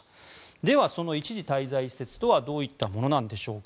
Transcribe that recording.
では、その一時滞在施設とはどういったものなんでしょうか。